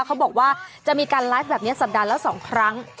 เขาบอกว่าจะมีการไลฟ์แบบนี้สัปดาห์ละ๒ครั้ง